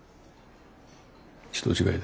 人違いだ。